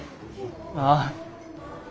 ああ。